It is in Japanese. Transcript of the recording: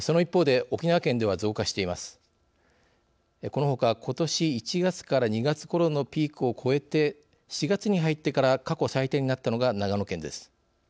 このほかことし１月から２月ごろのピークを越えて４月に入ってから過去最多になったのが長野県です。